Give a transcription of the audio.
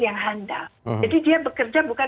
tidak berpengalaman jadi dia bekerja bukan